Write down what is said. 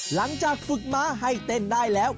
หลังจากฝึกม้าให้เต้นได้แล้ว